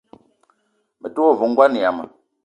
Me te wa ve ngoan yama.